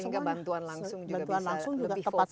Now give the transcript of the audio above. sehingga bantuan langsung juga bisa lebih fokus